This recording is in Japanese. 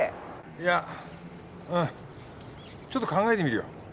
いやうんちょっと考えてみるよ。